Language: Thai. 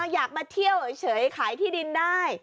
อยากมาเที่ยวเฉยขายที่ดินได้